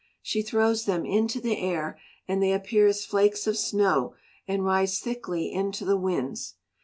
She throws them into the air, and they appear as flakes of snow and rise thickly into the winds.